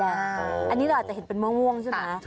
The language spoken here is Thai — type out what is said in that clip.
อันนี้เราอาจจะเห็นเป็นมะม่วงใช่ไหม